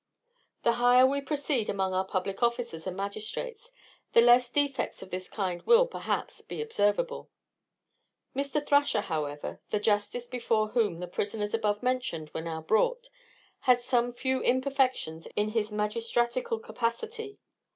The higher we proceed among our public officers and magistrates, the less defects of this kind will, perhaps, be observable. Mr. Thrasher, however, the justice before whom the prisoners above mentioned were now brought, had some few imperfections in his magistratical capacity.